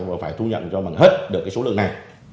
và phải thu nhận cho bằng hết được cái số lượng này